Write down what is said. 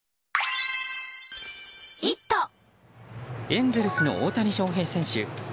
エンゼルスの大谷翔平選手。